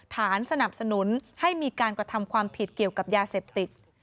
สนับสนุนให้มีการกระทำความผิดเกี่ยวกับยาเสพติด